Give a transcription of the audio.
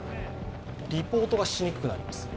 リポートがしにくくなります。